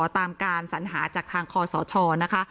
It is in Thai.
ตามการสัญหาจากทางคอสชนะคะ